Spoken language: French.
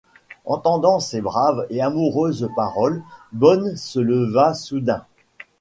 Entendant ces braves et amoureuses paroles, Bonne se leva soubdain.